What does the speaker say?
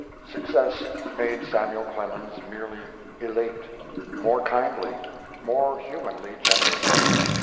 Success made Samuel Clemens merely elate, more kindly, more humanly generous.